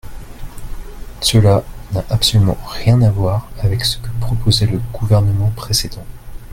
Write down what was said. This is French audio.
Cela n’a absolument rien à voir avec ce que proposait le gouvernement précédent.